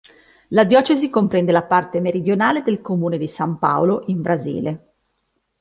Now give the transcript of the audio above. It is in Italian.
La diocesi comprende la parte meridionale del comune di San Paolo, in Brasile.